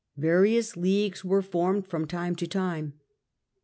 Various leagues were formed from time to time.